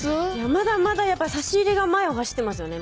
まだまだやっぱり差し入れが前を走ってますよね